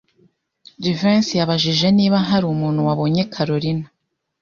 Jivency yabajije niba hari umuntu wabonye Kalorina.